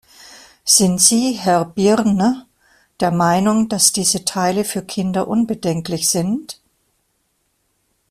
Sind Sie, Herr Byrne, der Meinung, dass diese Teile für Kinder unbedenklich sind?